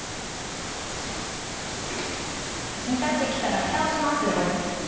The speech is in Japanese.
煮立って来たらふたをします。